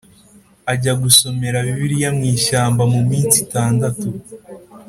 Ajya gusomera bibiliya mu ishyamba mu minsi itandatu